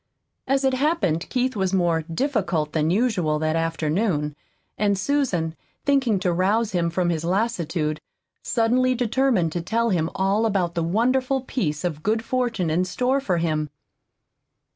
As it happened Keith was more "difficult" than usual that afternoon, and Susan, thinking to rouse him from his lassitude, suddenly determined to tell him all about the wonderful piece of good fortune in store for him.